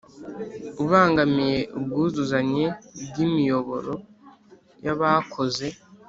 Ubangamiye ubwuzuzanye bw’ imiyoboro y’abakoze